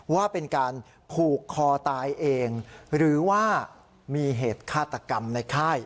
ว่าเป็นการผูกคอตายเองหรือว่ามีเหตุฆาตกรรมในค่าย